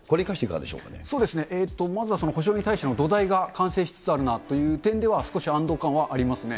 そうですね、まずはその補償に対しての土台が完成しつつあるなという点では少し安ど感はありますね。